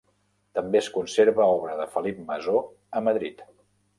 També es conserva obra de Felip Masó a Madrid.